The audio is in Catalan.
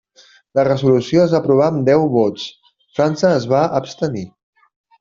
La resolució es va aprovar amb deu vots; França es va abstenir.